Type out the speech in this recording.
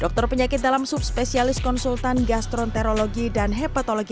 dokter penyakit dalam subspesialis konsultan gastronterologi dan hepatologi